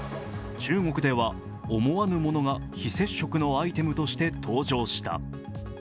中国では思わぬものが非接触のアイテムとして登場した。